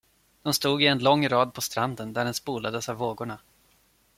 De stod i en lång rad på stranden, där den spolades av vågorna.